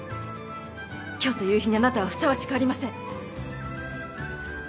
今日という日にあなたはふさわしくありません。